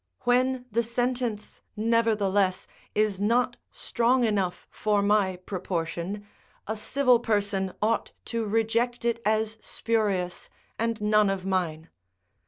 When the sentence, nevertheless, is not strong enough for my proportion, a civil person ought to reject it as spurious, and none of mine.